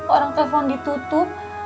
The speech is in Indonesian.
orang telepon ditutup